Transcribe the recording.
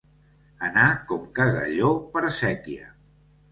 Anar com cagalló per séquia.